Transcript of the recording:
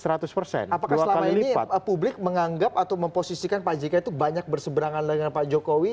apakah selama ini publik menganggap atau memposisikan pak jk itu banyak berseberangan dengan pak jokowi